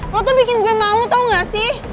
kalau tuh bikin gue malu tau gak sih